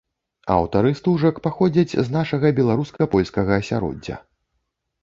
Аўтары стужак паходзяць з нашага беларуска-польскага асяроддзя.